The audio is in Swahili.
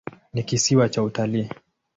Ni kisiwa cha utalii.